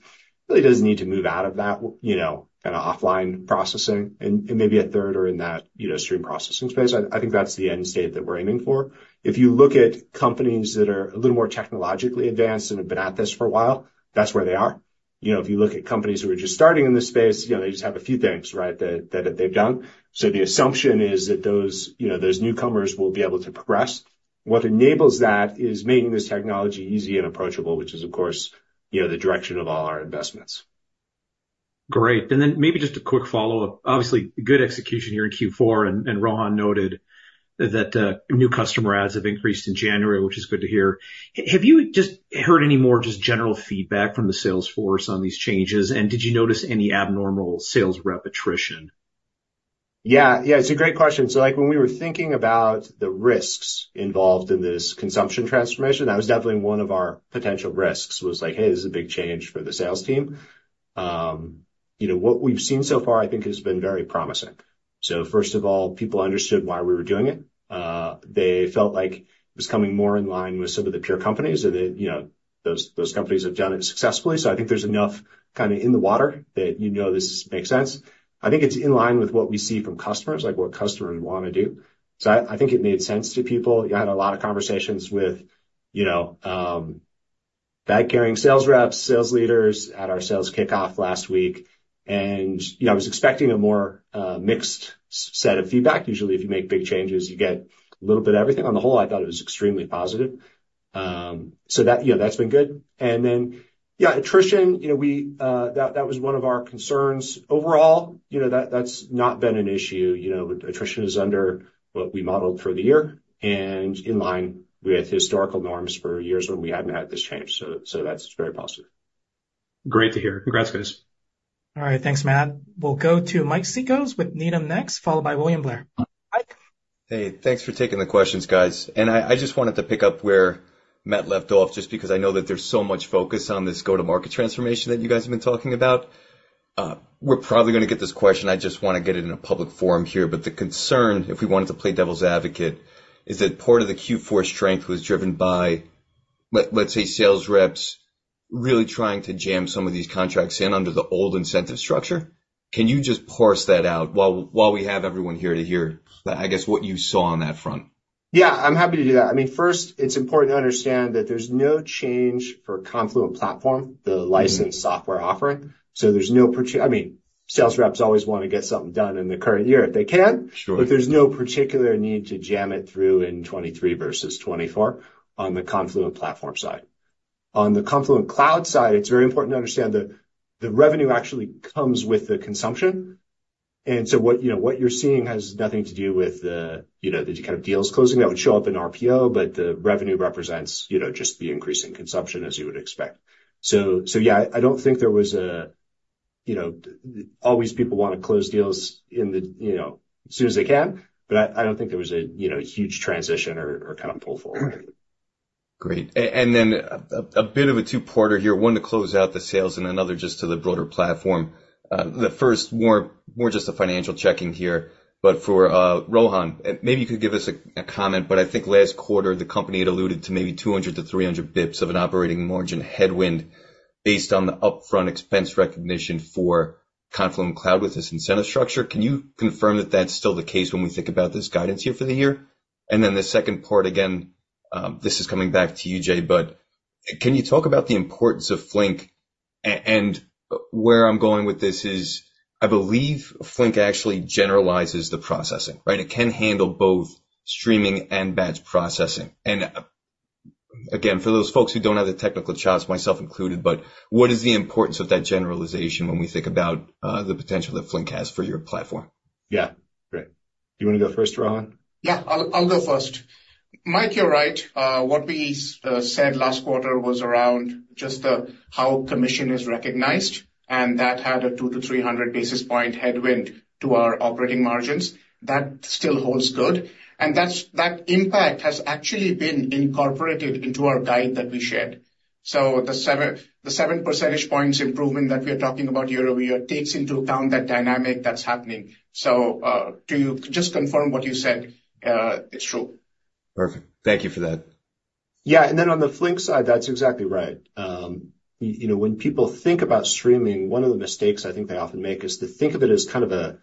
really doesn't need to move out of that, you know, kind of offline processing. And maybe a third are in that, you know, stream processing space. I think that's the end state that we're aiming for. If you look at companies that are a little more technologically advanced and have been at this for a while, that's where they are. You know, if you look at companies who are just starting in this space, you know, they just have a few things, right, that they've done. So the assumption is that those, you know, newcomers will be able to progress. What enables that is making this technology easy and approachable, which is, of course, you know, the direction of all our investments. Great. And then maybe just a quick follow-up. Obviously, good execution here in Q4, and Rohan noted that new customer adds have increased in January, which is good to hear. Have you just heard any more just general feedback from the sales force on these changes, and did you notice any abnormal sales rep attrition? Yeah. Yeah, it's a great question. So, like, when we were thinking about the risks involved in this consumption transformation, that was definitely one of our potential risks, was like, "Hey, this is a big change for the sales team." You know, what we've seen so far, I think, has been very promising. So first of all, people understood why we were doing it. They felt like it was coming more in line with some of the peer companies, and that, you know, those, those companies have done it successfully. So I think there's enough kind of in the water that you know this makes sense. I think it's in line with what we see from customers, like, what customers want to do. So I, I think it made sense to people. You had a lot of conversations with, you know, bag-carrying sales reps, sales leaders at our sales kickoff last week. You know, I was expecting a more, mixed set of feedback. Usually, if you make big changes, you get a little bit of everything. On the whole, I thought it was extremely positive. So that's been good. Then, yeah, attrition, you know, we. That was one of our concerns. Overall, you know, that, that's not been an issue. You know, attrition is under what we modeled for the year and in line with historical norms for years when we hadn't had this change. So that's very positive. Great to hear. Congrats, guys. All right. Thanks, Matt. We'll go to Mike Cikos with Needham next, followed by William Blair. Mike? Hey, thanks for taking the questions, guys. And I just wanted to pick up where Matt left off, just because I know that there's so much focus on this go-to-market transformation that you guys have been talking about. We're probably gonna get this question, I just want to get it in a public forum here. But the concern, if we wanted to play devil's advocate, is that part of the Q4 strength was driven by, let's say, sales reps really trying to jam some of these contracts in under the old incentive structure. Can you just parse that out while we have everyone here to hear, I guess, what you saw on that front? Yeah, I'm happy to do that. I mean, first, it's important to understand that there's no change for Confluent Platform, the licensed software offering. So I mean, sales reps always want to get something done in the current year if they can. Sure. But there's no particular need to jam it through in 2023 versus 2024 on the Confluent Platform side. On the Confluent Cloud side, it's very important to understand the, the revenue actually comes with the consumption. And so what, you know, what you're seeing has nothing to do with the, you know, the kind of deals closing. That would show up in RPO, but the revenue represents, you know, just the increase in consumption, as you would expect. So, so yeah, I don't think there was a. You know, always people want to close deals in the, you know, as soon as they can, but I, I don't think there was a, you know, huge transition or, or kind of pull forward. Great. And then a bit of a two-parter here, one to close out the sales and another just to the broader platform. The first, more just a financial check-in here. But for Rohan, maybe you could give us a comment, but I think last quarter, the company had alluded to maybe 200-300 basis points of an operating margin headwind based on the upfront expense recognition for Confluent Cloud with this incentive structure. Can you confirm that that's still the case when we think about this guidance here for the year? And then the second part, again, this is coming back to you, Jay, but can you talk about the importance of Flink? And where I'm going with this is, I believe Flink actually generalizes the processing, right? It can handle both streaming and batch processing. And again, for those folks who don't have the technical charts, myself included, but what is the importance of that generalization when we think about the potential that Flink has for your platform? Yeah, great. Do you want to go first, Rohan? Yeah, I'll, I'll go first. Mike, you're right. What we said last quarter was around just the how commission is recognized, and that had a 200-300 basis point headwind to our operating margins. That still holds good, and that's, that impact has actually been incorporated into our guide that we shared. So the seven percentage points improvement that we are talking about year-over-year takes into account that dynamic that's happening. So, to you, just confirm what you said, it's true. Perfect. Thank you for that. Yeah, and then on the Flink side, that's exactly right. You know, when people think about streaming, one of the mistakes I think they often make is to think of it as kind of a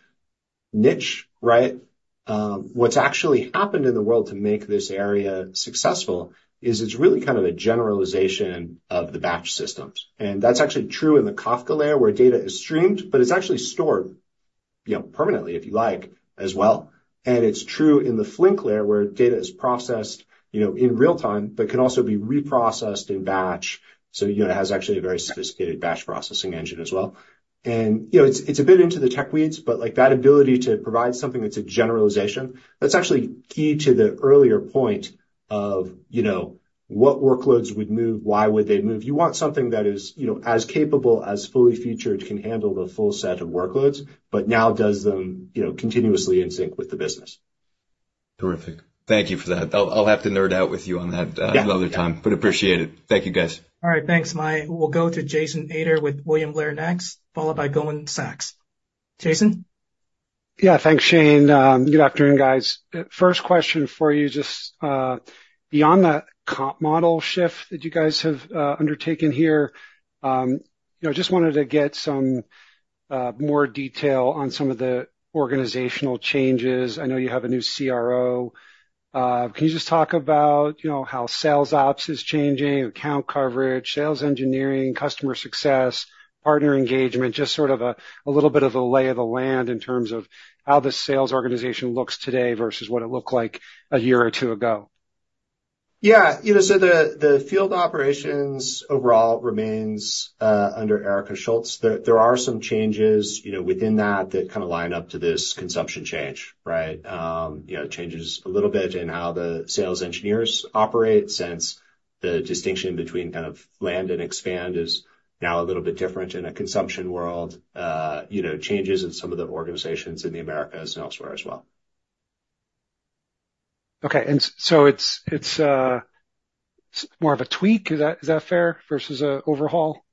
niche, right? What's actually happened in the world to make this area successful is it's really kind of a generalization of the batch systems, and that's actually true in the Kafka layer, where data is streamed, but it's actually stored, you know, permanently, if you like, as well. And it's true in the Flink layer, where data is processed, you know, in real time, but can also be reprocessed in batch. So, you know, it has actually a very sophisticated batch processing engine as well. You know, it's a bit into the tech weeds, but like, that ability to provide something that's a generalization, that's actually key to the earlier point of, you know, what workloads would move, why would they move? You want something that is, you know, as capable, as fully featured, can handle the full set of workloads, but now does them, you know, continuously in sync with the business. Terrific. Thank you for that. I'll, I'll have to nerd out with you on that. Yeah. Another time, but appreciate it. Thank you, guys. All right, thanks, Mike. We'll go to Jason Ader with William Blair next, followed by Goldman Sachs. Jason? Yeah, thanks, Shane. Good afternoon, guys. First question for you, just, beyond the comp model shift that you guys have undertaken here, you know, just wanted to get some more detail on some of the organizational changes. I know you have a new CRO. Can you just talk about, you know, how sales ops is changing, account coverage, sales engineering, customer success, partner engagement, just sort of a little bit of the lay of the land in terms of how the sales organization looks today versus what it looked like a year or two ago? Yeah, you know, so the field operations overall remains under Erica Schultz. There are some changes, you know, within that kind of line up to this consumption change, right? You know, changes a little bit in how the sales engineers operate, since the distinction between kind of land and expand is now a little bit different in a consumption world. You know, changes in some of the organizations in the Americas and elsewhere as well. Okay, and so it's more of a tweak, is that fair, versus an overhaul?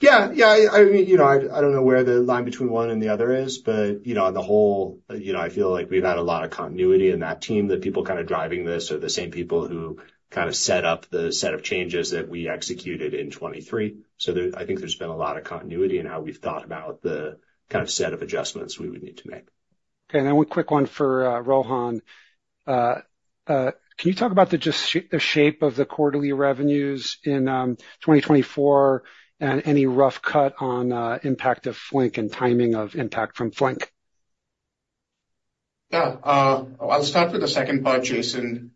Yeah. Yeah, I mean, you know, I don't know where the line between one and the other is, but, you know, on the whole, you know, I feel like we've had a lot of continuity in that team. The people kind of driving this are the same people who kind of set up the set of changes that we executed in 2023. So there. I think there's been a lot of continuity in how we've thought about the kind of set of adjustments we would need to make. Okay, now one quick one for Rohan. Can you talk about the shape of the quarterly revenues in 2024, and any rough cut on impact of Flink and timing of impact from Flink? Yeah, I'll start with the second part, Jason.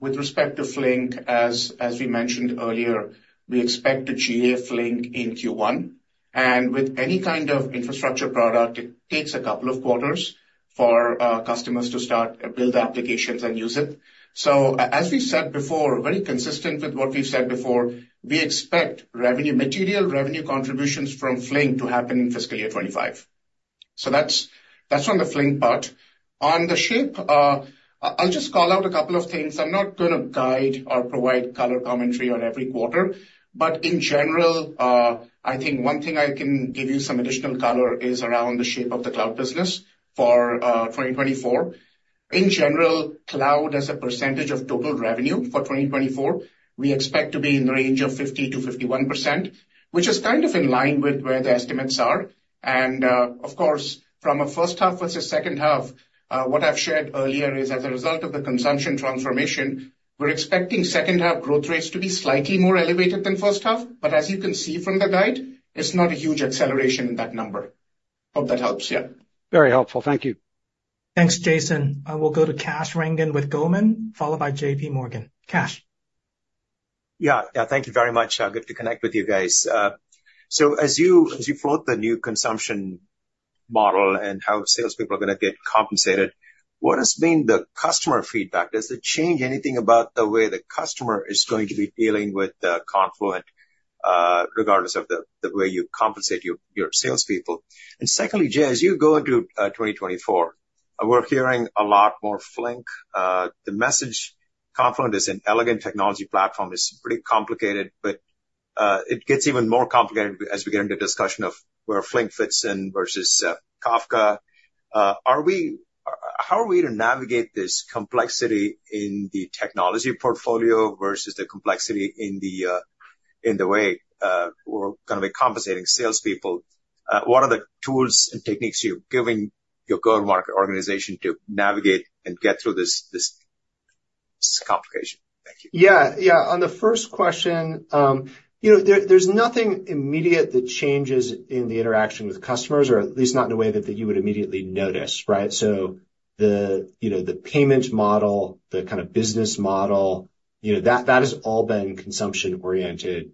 With respect to Flink, as we mentioned earlier, we expect to GA Flink in Q1, and with any kind of infrastructure product, it takes a couple of quarters for customers to start build applications and use it. So as we said before, very consistent with what we've said before, we expect revenue, material revenue contributions from Flink to happen in fiscal year 2025. So that's, that's on the Flink part. On the shape, I'll just call out a couple of things. I'm not going to guide or provide color commentary on every quarter, but in general, I think one thing I can give you some additional color is around the shape of the cloud business for 2024. In general, cloud as a percentage of total revenue for 2024, we expect to be in the range of 50%-51%, which is kind of in line with where the estimates are. And, of course, from a first half versus second half, what I've shared earlier is, as a result of the consumption transformation, we're expecting second half growth rates to be slightly more elevated than first half. But as you can see from the guide, it's not a huge acceleration in that number. Hope that helps. Yeah. Very helpful. Thank you. Thanks, Jason. We'll go to Kash Rangan with Goldman, followed by JP Morgan. Kash? Yeah. Yeah, thank you very much. Good to connect with you guys. So as you, as you float the new consumption model and how salespeople are gonna get compensated, what has been the customer feedback? Does it change anything about the way the customer is going to be dealing with Confluent, regardless of the way you compensate your salespeople? And secondly, Jay, as you go into 2024, we're hearing a lot more Flink. The message, Confluent is an elegant technology platform, it's pretty complicated, but it gets even more complicated as we get into discussion of where Flink fits in versus Kafka. Are we... How are we to navigate this complexity in the technology portfolio versus the complexity in the way we're gonna be compensating salespeople? What are the tools and techniques you're giving your go-to-market organization to navigate and get through this, this complication? Thank you. Yeah. Yeah, on the first question, you know, there, there's nothing immediate that changes in the interaction with customers, or at least not in a way that, that you would immediately notice, right? So the, you know, the payment model, the kind of business model, you know, that, that has all been consumption-oriented,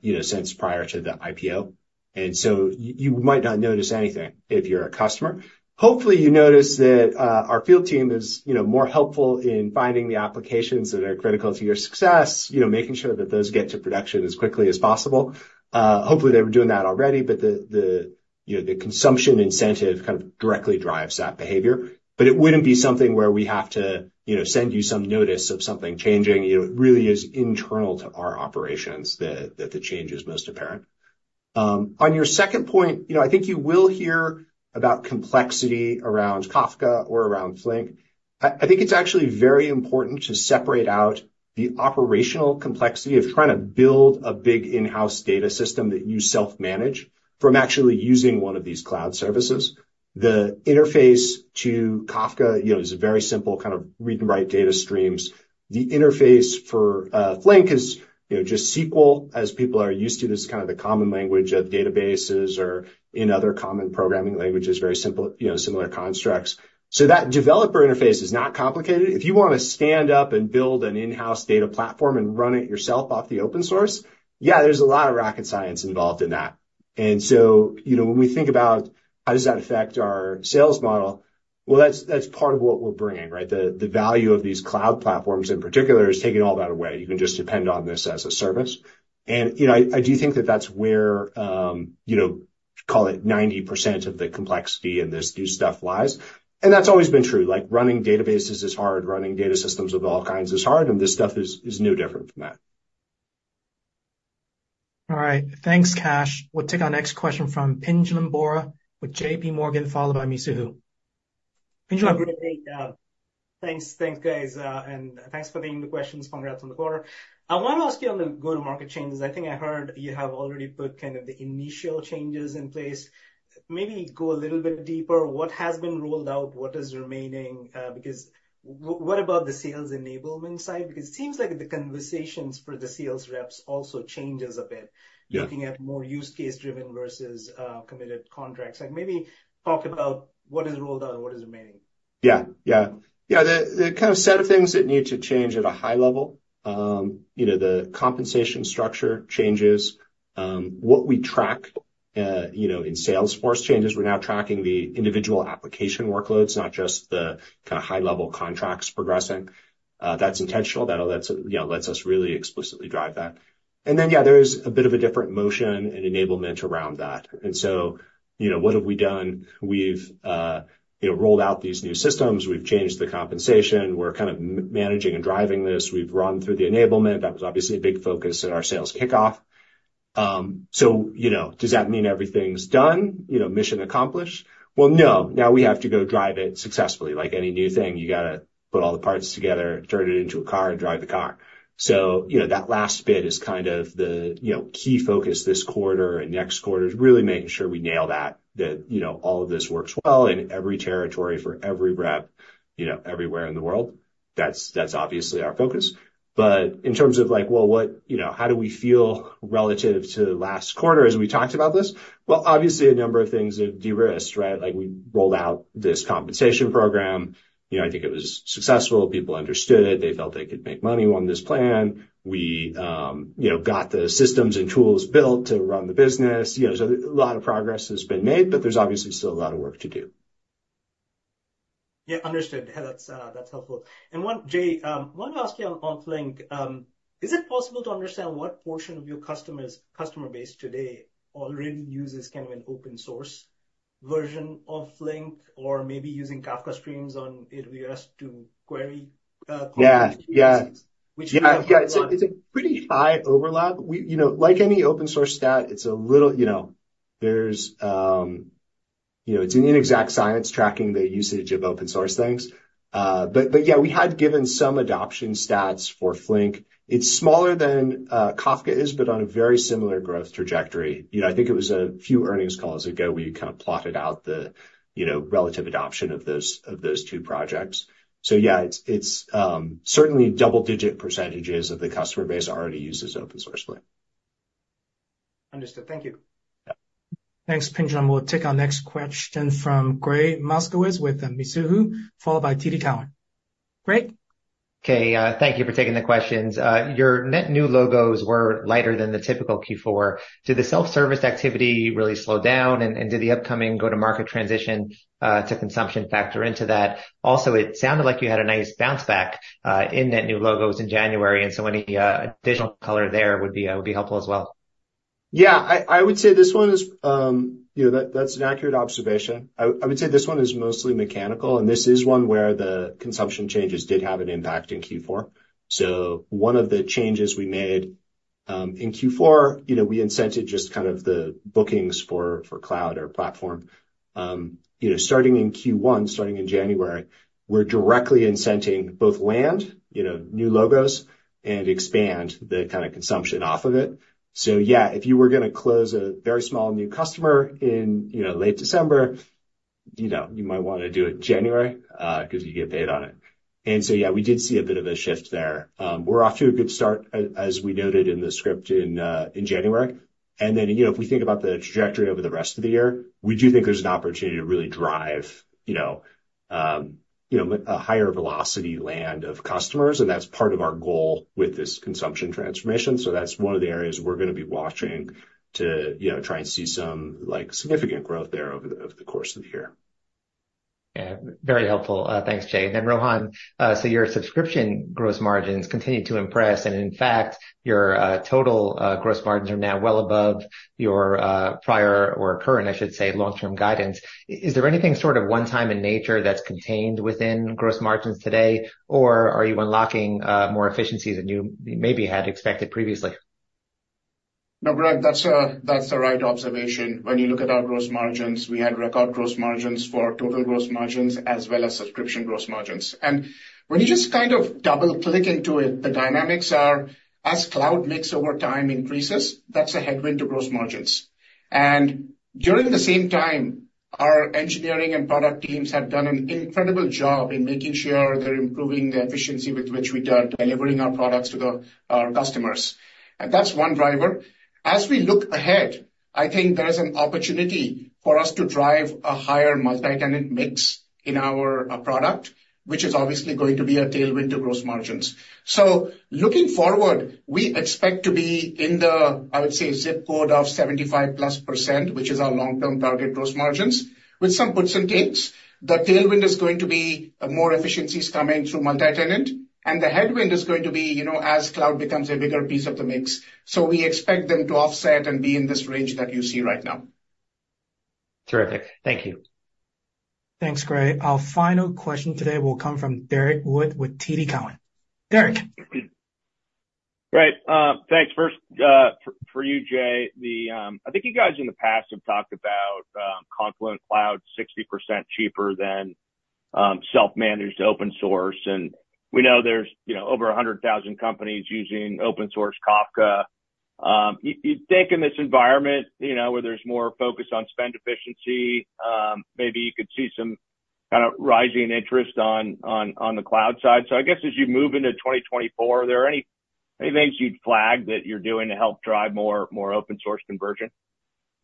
you know, since prior to the IPO. And so you might not notice anything if you're a customer. Hopefully, you notice that, our field team is, you know, more helpful in finding the applications that are critical to your success, you know, making sure that those get to production as quickly as possible. Hopefully, they were doing that already, but you know, the consumption incentive kind of directly drives that behavior. But it wouldn't be something where we have to, you know, send you some notice of something changing. You know, it really is internal to our operations that, that the change is most apparent. On your second point, you know, I think you will hear about complexity around Kafka or around Flink. I, I think it's actually very important to separate out the operational complexity of trying to build a big in-house data system that you self-manage, from actually using one of these cloud services. The interface to Kafka, you know, is a very simple kind of read and write data streams. The interface for Flink is, you know, just SQL, as people are used to. This is kind of the common language of databases or in other common programming languages, very simple, you know, similar constructs. So that developer interface is not complicated. If you want to stand up and build an in-house data platform and run it yourself off the open source, yeah, there's a lot of rocket science involved in that. And so, you know, when we think about how does that affect our sales model, well, that's part of what we're bringing, right? The value of these cloud platforms, in particular, is taking all that away. You can just depend on this as a service. And, you know, I do think that that's where, you know, call it 90% of the complexity in this new stuff lies. And that's always been true. Like, running databases is hard, running data systems of all kinds is hard, and this stuff is no different from that. All right. Thanks, Kash. We'll take our next question from Pinjalim Bora with JP Morgan, followed by Mizuho. Pinjalim? Thanks. Thanks, guys, and thanks for taking the questions. Congrats on the quarter. I want to ask you on the go-to-market changes. I think I heard you have already put kind of the initial changes in place. Maybe go a little bit deeper. What has been rolled out? What is remaining? Because what about the sales enablement side? Because it seems like the conversations for the sales reps also changes a bit- Yeah. Looking at more use case driven versus committed contracts. Like, maybe talk about what is rolled out and what is remaining. Yeah, yeah. Yeah, the kind of set of things that need to change at a high level, you know, the compensation structure changes. What we track, you know, in Salesforce changes. We're now tracking the individual application workloads, not just the kind of high-level contracts progressing. That's intentional. That lets, you know, lets us really explicitly drive that. And then, yeah, there's a bit of a different motion and enablement around that. And so, you know, what have we done? We've, you know, rolled out these new systems. We've changed the compensation. We're kind of managing and driving this. We've run through the enablement. That was obviously a big focus at our sales kickoff. So, you know, does that mean everything's done, you know, mission accomplished? Well, no. Now we have to go drive it successfully. Like any new thing, you got to put all the parts together, turn it into a car, and drive the car. So, you know, that last bit is kind of the, you know, key focus this quarter and next quarter, is really making sure we nail that. That, you know, all of this works well in every territory for every rep, you know, everywhere in the world. That's obviously our focus. But in terms of like, well, what... You know, how do we feel relative to last quarter as we talked about this? Well, obviously, a number of things have de-risked, right? Like, we rolled out this compensation program. You know, I think it was successful. People understood it. They felt they could make money on this plan. We, you know, got the systems and tools built to run the business. You know, so a lot of progress has been made, but there's obviously still a lot of work to do. Yeah, understood. Yeah, that's, that's helpful. And one, Jay, I want to ask you on Flink. Is it possible to understand what portion of your customers—customer base today already uses kind of an open source version of Flink, or maybe using Kafka Streams on it versus to query, Kafka- Yeah, yeah. Which- Yeah, it's a pretty high overlap. We—you know, like any open source stat, it's a little, you know, there's, you know, it's an inexact science, tracking the usage of open source things. But, but yeah, we had given some adoption stats for Flink. It's smaller than Kafka is, but on a very similar growth trajectory. You know, I think it was a few earnings calls ago where you kind of plotted out the, you know, relative adoption of those, of those two projects. So yeah, it's, it's certainly double-digit % of the customer base already uses open source Flink. Understood. Thank you. Yeah. Thanks, Pinjalim. We'll take our next question from Gregg Moskowitz with Mizuho, followed by TD Cowen. Gregg? Okay, thank you for taking the questions. Your net new logos were lighter than the typical Q4. Did the self-service activity really slow down, and, and did the upcoming go-to-market transition to consumption factor into that? Also, it sounded like you had a nice bounce back in net new logos in January, and so any additional color there would be helpful as well. Yeah, I would say this one is, you know, that's an accurate observation. I would say this one is mostly mechanical, and this is one where the consumption changes did have an impact in Q4. So one of the changes we made in Q4, you know, we incentivized just kind of the bookings for cloud or platform. You know, starting in Q1, starting in January, we're directly incentivizing both land, you know, new logos, and expand the kind of consumption off of it. So yeah, if you were gonna close a very small new customer in, you know, late December, you know, you might want to do it January, 'cause you get paid on it. And so, yeah, we did see a bit of a shift there. We're off to a good start, as we noted in the script in January. And then, you know, if we think about the trajectory over the rest of the year, we do think there's an opportunity to really drive, you know, a higher velocity land of customers, and that's part of our goal with this consumption transformation. So that's one of the areas we're going to be watching to, you know, try and see some, like, significant growth there over the course of the year. Yeah, very helpful. Thanks, Jay. Then Rohan, so your subscription gross margins continue to impress, and in fact, your total gross margins are now well above your prior or current, I should say, long-term guidance. Is there anything sort of one time in nature that's contained within gross margins today, or are you unlocking more efficiency than you maybe had expected previously? No, Greg, that's a, that's the right observation. When you look at our gross margins, we had record gross margins for total gross margins as well as subscription gross margins. And when you just kind of double-click into it, the dynamics are, as cloud mix over time increases, that's a headwind to gross margins. And during the same time, our engineering and product teams have done an incredible job in making sure they're improving the efficiency with which we are delivering our products to the, our customers. And that's one driver. As we look ahead, I think there is an opportunity for us to drive a higher multi-tenant mix in our, product, which is obviously going to be a tailwind to gross margins. So looking forward, we expect to be in the, I would say, zip code of 75%+, which is our long-term target gross margins, with some puts and takes. The tailwind is going to be more efficiencies coming through multi-tenant, and the headwind is going to be, you know, as cloud becomes a bigger piece of the mix. So we expect them to offset and be in this range that you see right now. Terrific. Thank you. Thanks, Gregg. Our final question today will come from Derrick Wood with TD Cowen. Derrick? Great. Thanks. First, for you, Jay, I think you guys in the past have talked about Confluent Cloud 60% cheaper than self-managed open source, and we know there's, you know, over 100,000 companies using open source Kafka. You think in this environment, you know, where there's more focus on spend efficiency, maybe you could see some kind of rising interest on the cloud side. So I guess as you move into 2024, are there any things you'd flag that you're doing to help drive more open source conversion?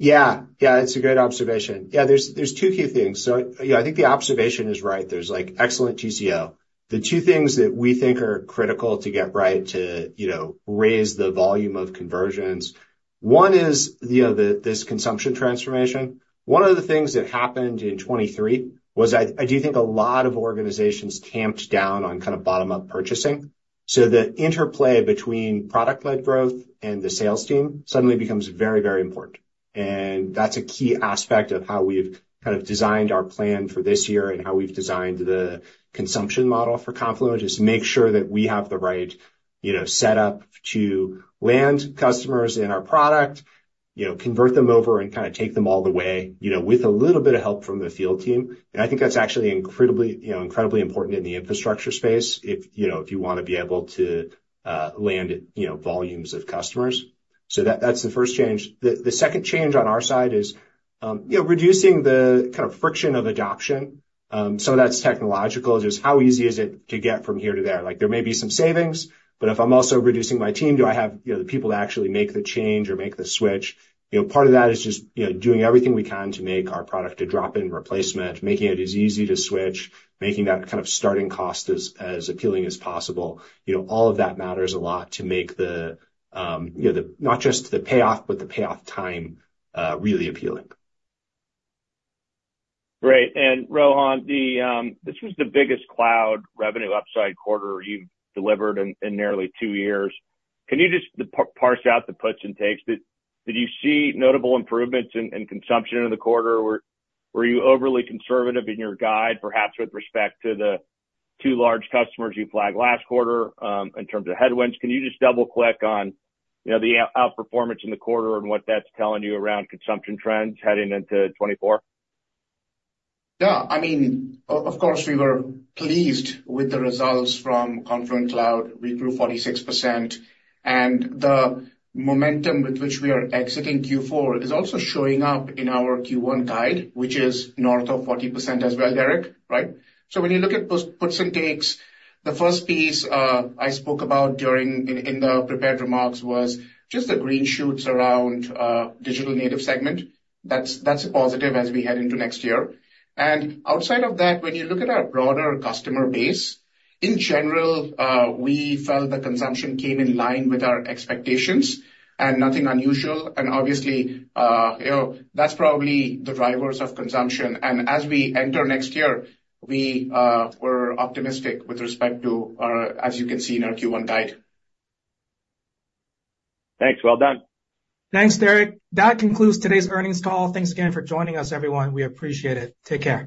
Yeah. Yeah, it's a great observation. Yeah, there's two key things. So, yeah, I think the observation is right. There's, like, excellent TCO. The two things that we think are critical to get right to, you know, raise the volume of conversions, one is, you know, the, this consumption transformation. One of the things that happened in 2023 was I do think a lot of organizations tamped down on kind of bottom-up purchasing. So the interplay between product-led growth and the sales team suddenly becomes very, very important, and that's a key aspect of how we've kind of designed our plan for this year and how we've designed the consumption model for Confluent, just to make sure that we have the right, you know, setup to land customers in our product, you know, convert them over and kinda take them all the way, you know, with a little bit of help from the field team. And I think that's actually incredibly, you know, incredibly important in the infrastructure space if, you know, if you want to be able to land, you know, volumes of customers. So that's the first change. The second change on our side is, you know, reducing the kind of friction of adoption. Some of that's technological. Just how easy is it to get from here to there? Like, there may be some savings, but if I'm also reducing my team, do I have, you know, the people to actually make the change or make the switch? You know, part of that is just, you know, doing everything we can to make our product a drop-in replacement, making it as easy to switch, making that kind of starting cost as, as appealing as possible. You know, all of that matters a lot to make the, you know, not just the payoff, but the payoff time, really appealing. Great. And Rohan, this was the biggest cloud revenue upside quarter you've delivered in nearly two years. Can you just parse out the puts and takes? Did you see noteable improvements in consumption in the quarter, or were you overly conservative in your guide, perhaps with respect to the two large customers you flagged last quarter, in terms of headwinds? Can you just double-click on, you know, the outperformance in the quarter and what that's telling you around consumption trends heading into 2024? Yeah. I mean, of course, we were pleased with the results from Confluent Cloud. We grew 46%, and the momentum with which we are exiting Q4 is also showing up in our Q1 guide, which is north of 40% as well, Derrick, right? So when you look at puts and takes, the first piece I spoke about during the prepared remarks was just the green shoots around digital native segment. That's a positive as we head into next year. And outside of that, when you look at our broader customer base, in general, we felt the consumption came in line with our expectations and nothing unusual. And obviously, you know, that's probably the drivers of consumption. And as we enter next year, we're optimistic with respect to our. As you can see in our Q1 guide. Thanks. Well done. Thanks, Derrick. That concludes today's earnings call. Thanks again for joining us, everyone. We appreciate it. Take care.